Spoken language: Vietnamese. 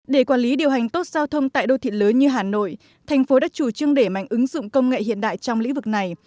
để quản lý điều hành tốt giao thông tại đô thị lớn như hà nội thành phố đã chủ trương để mạnh ứng dụng công nghệ hiện đại trong lĩnh vực này